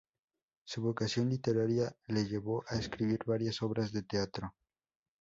Su vocación literaria le llevó a escribir varias obras de teatro.